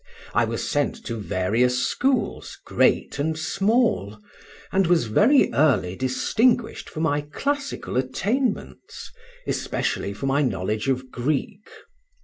I was sent to various schools, great and small; and was very early distinguished for my classical attainments, especially for my knowledge of Greek.